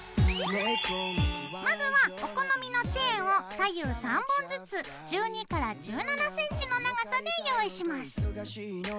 まずはお好みのチェーンを左右３本ずつ１２１７ｃｍの長さで用意します。